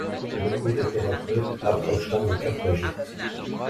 Beaucoup de thérapeutes approcheront de quatre gîtes.